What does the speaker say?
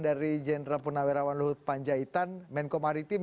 dari jenderal punawirawan luhut panjaitan menko maritim